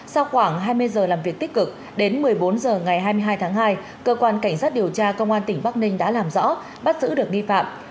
sau khoảng hai mươi giờ làm việc tích cực đến một mươi bốn h ngày hai mươi hai tháng hai cơ quan cảnh sát điều tra công an tỉnh bắc ninh đã làm rõ bắt giữ được nghi phạm